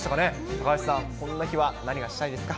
高橋さん、こんな日は何がしたいですか。